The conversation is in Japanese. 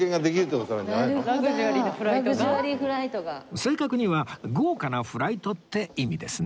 正確には「豪華なフライト」って意味ですね